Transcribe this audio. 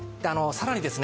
さらにですね